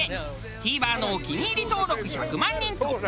ティーバーのお気に入り登録１００万人突破。